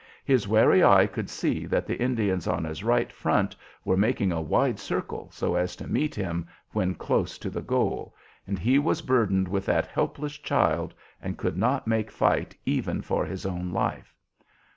His wary eye could see that the Indians on his right front were making a wide circle, so as to meet him when close to the goal, and he was burdened with that helpless child, and could not make fight even for his own life.